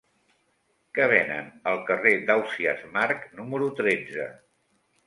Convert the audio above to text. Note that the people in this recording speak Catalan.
Què venen al carrer d'Ausiàs Marc número tretze?